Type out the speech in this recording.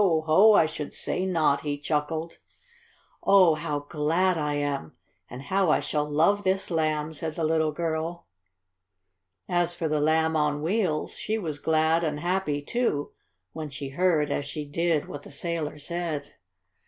Ho! I should say not!" he chuckled. "Oh, how glad I am! And how I shall love this Lamb!" said the little girl. As for the Lamb on Wheels, she was glad and happy, too, when she heard, as she did, what the sailor said.